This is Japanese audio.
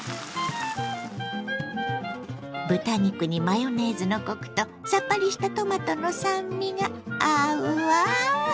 豚肉にマヨネーズのコクとさっぱりしたトマトの酸味が合うわ。